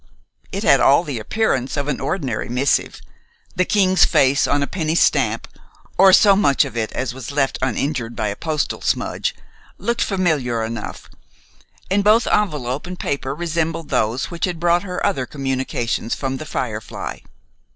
It had all the appearance of any ordinary missive. The King's face on a penny stamp, or so much of it as was left uninjured by a postal smudge, looked familiar enough, and both envelop and paper resembled those which had brought her other communications from "The Firefly."